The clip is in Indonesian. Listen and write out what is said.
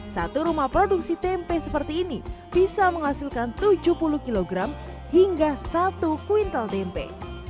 satu rumah produksi tempe seperti ini bisa menghasilkan tujuh puluh kg hingga satu kuintal tempe